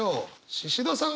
シシドさん